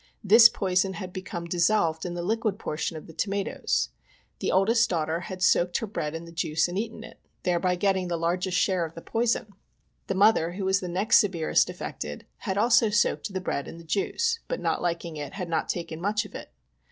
This poison had become dissolved in the liquid portion of the tomatoes. The oldest daughter had soaked her bread in the juice and eaten it, thereby getting the largest share of the poison. The mother, who was the next severest affected, had also soaked the bread in the juice, but, not liking it, had not taken much of it.